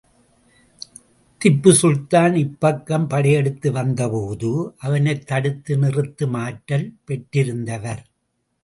திப்பு சுல்தான் இப்பக்கம் படையெடுத்து வந்தபோது, அவனைத் தடுத்து நிறுத்தும் ஆற்றல் பெற்றிருந்தவர்.